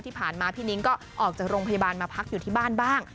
ที่ผ่านมาพี่นิ้งก็ออกจากโรงพยาบาลมาพักอยู่ที่บ้านบ้าง